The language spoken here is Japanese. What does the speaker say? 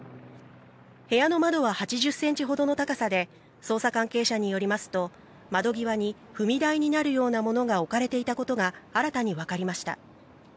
部屋の窓は８０センチほどの高さで、捜査関係者によりますと、窓際に踏み台になるようなものが置かれていたことが新たに分かりました。